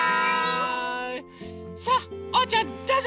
さあおうちゃんどうぞ！